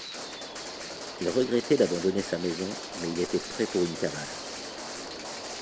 Il regrettait d’abandonner sa maison mais il était prêt pour une cavale.